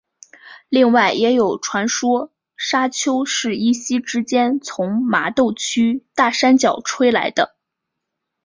另外也有传说砂丘是一夕之间从麻豆区大山脚吹来的。